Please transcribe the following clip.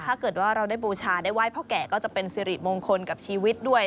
ถ้าเกิดว่าเราได้บูชาได้ไหว้พ่อแก่ก็จะเป็นสิริมงคลกับชีวิตด้วย